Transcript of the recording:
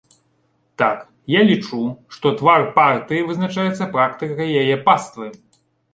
Так, я лічу, што твар партыі вызначаецца практыкай яе паствы.